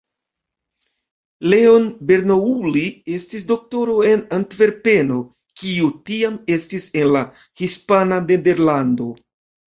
Leon Bernoulli estis doktoro en Antverpeno, kiu tiam estis en la Hispana Nederlando.